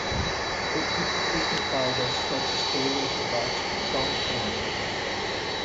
O pico principal das sete estrelas bate Dongfeng